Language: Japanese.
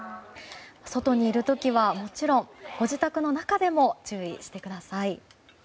外にいるときはもちろんご自宅の中でも注意してください。